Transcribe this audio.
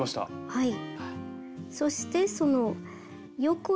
はい。